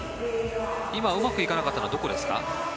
今うまくいかなかったのはどこですか？